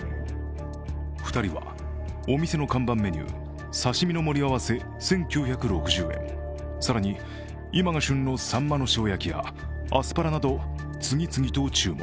２人はお店の看板メニュー、刺身の盛り合わせ１９６０円、更に今が旬のさんまの塩焼きやアスパラなど、次々と注文。